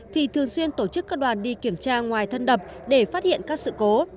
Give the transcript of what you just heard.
thì thường xuyên tổ chức các đoàn đi kiểm tra ngoài thân đập để phát hiện các sự cố